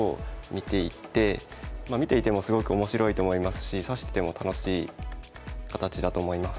まあ見ていてもすごく面白いと思いますし指してても楽しい形だと思います。